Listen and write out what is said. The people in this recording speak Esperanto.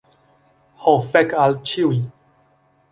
Ho fek al ĉiuj.